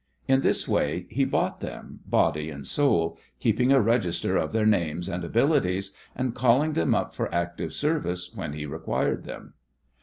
In this way he bought them body and soul, keeping a register of their names and abilities, and calling them up for active service when he required them.